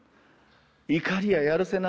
怒りややるせなさ